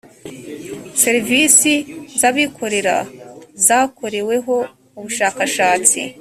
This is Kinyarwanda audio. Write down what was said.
serivisi z’abikorera zakoreweho ubushakashatsi